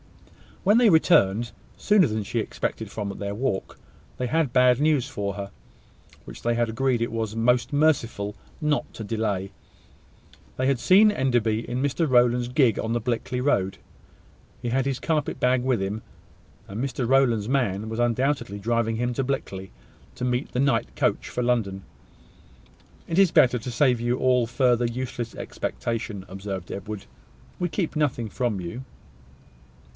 When they returned, sooner than she had expected, from their walk, they had bad news for her, which they had agreed it was most merciful not to delay. They had seen Enderby in Mr Rowland's gig on the Blickley road. He had his carpet bag with him; and Mr Rowland's man was undoubtedly driving him to Blickley, to meet the night coach for London. "It is better to save you all further useless expectation," observed Edward. "We keep nothing from you."